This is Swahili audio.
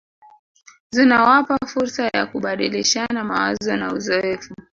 Zinawapa fursa ya kubadilishana mawazo na uzoefu